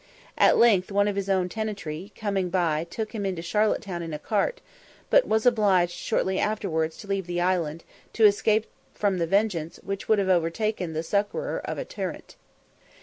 At length one of his own tenantry, coming by, took him into Charlotte Town in a cart, but was obliged shortly afterwards to leave the island, to escape from the vengeance which would have overtaken the succourer of a tyrant.